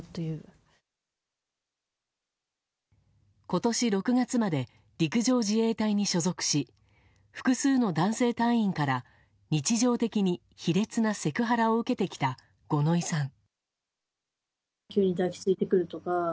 今年６月まで陸上自衛隊に所属し複数の男性隊員から日常的に卑劣なセクハラを受けてきた五ノ井さん。